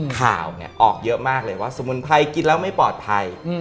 ข่าวเนี่ยออกเยอะมากเลยว่าสมุนไพรกินแล้วไม่ปลอดภัย